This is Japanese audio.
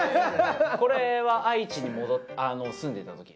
これは愛知に住んでたとき。